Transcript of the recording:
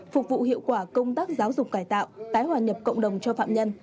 phục vụ hiệu quả công tác giáo dục cải tạo tái hòa nhập cộng đồng cho phạm nhân